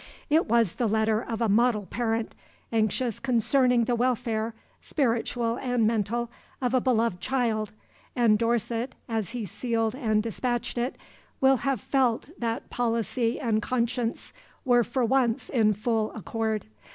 It was the letter of a model parent, anxious concerning the welfare, spiritual and mental, of a beloved child, and Dorset, as he sealed and despatched it, will have felt that policy and conscience were for once in full accord.